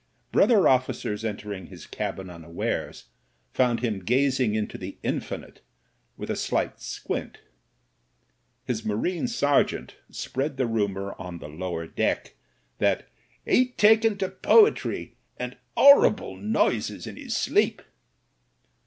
Brother officers entering his cabin unawares found him gazing into the infinite with a slight squint His Marine servant spread the rumour on the lower deck that *' 'e'd taken to poetry, and 'orri ble noises in his sleep."